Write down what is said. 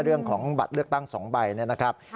เรื่องของบัตรเลือกตั้ง๒ใบเนี่ยนะครับ